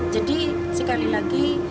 jadi sekali lagi